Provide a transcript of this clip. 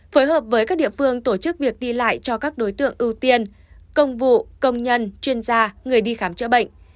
phối hợp với các địa phương tổ chức việc đi lại cho các đối tượng ưu tiên công vụ công nhân chuyên gia người đi khám chữa bệnh